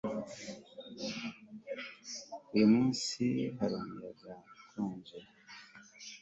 Uyu munsi hari umuyaga ukonje